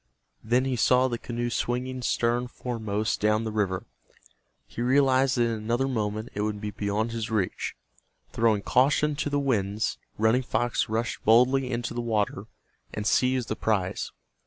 Then he saw the canoe swinging stern foremost down the river. He realized that in another moment it would be beyond his reach. Throwing caution to the winds, Running Fox rushed boldly into the water and seized the prize.